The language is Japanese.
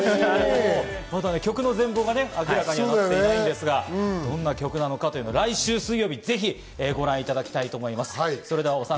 曲の全貌が明らかになっていないんですが、どんな曲なのか、来週水曜日、ご覧いただきたいと思います。